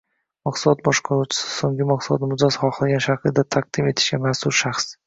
Mahsulot boshqaruvchisi so’nggi maxsulotni mijoz xohlagan shaklda taqdim etishga mas’ul shaxs